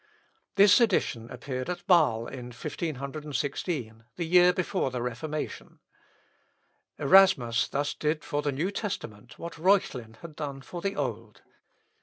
This edition appeared at Bâsle in 1516, the year before the Reformation. Erasmus thus did for the New Testament what Reuchlin had done for the Old.